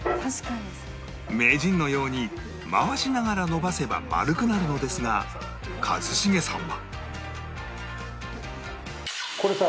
名人のように回しながら延ばせば丸くなるのですが一茂さんはこれさ。